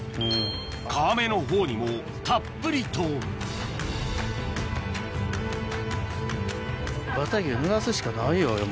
皮目のほうにもたっぷりとぬらすしかないよね